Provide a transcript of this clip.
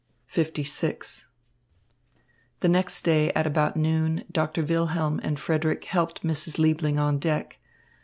LVI The next day at about noon Doctor Wilhelm and Frederick helped Mrs. Liebling on deck.